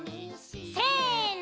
せの。